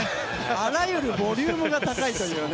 あらゆるボリュームが高いという。